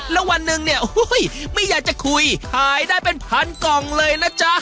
แล้ววันหนึ่งไม่อยากจะคุยที่กะเทียมเคยขายได้เป็นพันกล่องเลยนะจ๊ะ